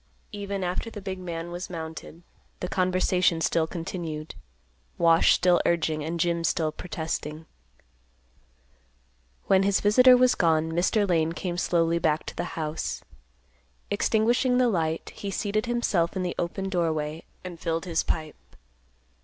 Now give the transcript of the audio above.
Even after the big man was mounted, the conversation still continued; Wash still urging and Jim still protesting. When his visitor was gone, Mr. Lane came slowly back to the house. Extinguishing the light, he seated himself in the open doorway, and filled his pipe.